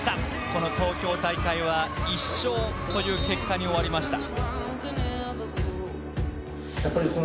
この東京大会は１勝という結果に終わりました。